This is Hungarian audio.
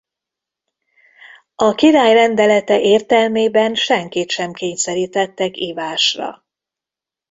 A király rendelete értelmében senkit sem kényszerítettek ivásra.